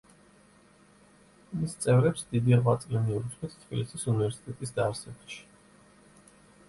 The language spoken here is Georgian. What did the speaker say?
მის წევრებს დიდი ღვაწლი მიუძღვით თბილისის უნივერსიტეტის დაარსებაში.